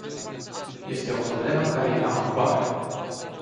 Este o problemă care ia amploare.